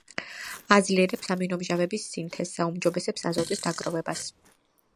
აძლიერებს ამინომჟავების სინთეზს, აუმჯობესებს აზოტის დაგროვებას.